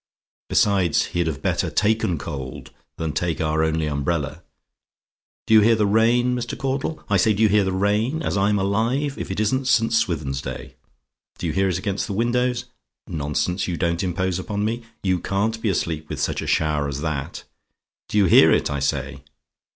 Besides, he'd have better taken cold than take our only umbrella. Do you hear the rain, Mr. Caudle? I say, do you hear the rain? And as I'm alive, if it isn't St. Swithin's day! Do you hear it against the windows? Nonsense; you don't impose upon me. You can't be asleep with such a shower as that! Do you hear it, I say?